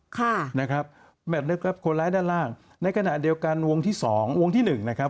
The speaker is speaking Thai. ค่ะนะครับแมทนะครับคนร้ายด้านล่างในขณะเดียวกันวงที่สองวงที่หนึ่งนะครับ